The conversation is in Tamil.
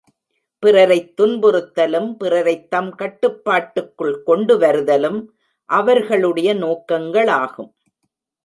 பிறரைத் துன்புறுத்தலும் பிறரைத் தம் கட்டுப்பாட்டுக்குள் கொண்டு வருதலும் அவர்களுடைய நோக்கங்களாகும்.